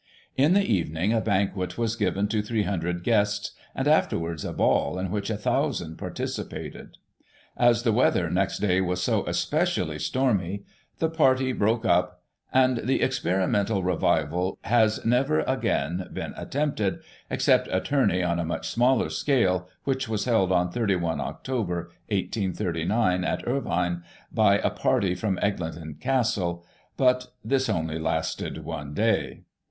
In the evening, a banquet was given to 300 guests; and, afterwards, a ball, in which 1,000 participated. As the weather, next day, was so especially stormy, the party broke up, and the experimental revival has never again been at tempted, except a Tourney on a much smaller scale, which was held on 31 Oct., 1839, ^tt Irvine, by a party from Eglinton Castle ; but this only lasted one day.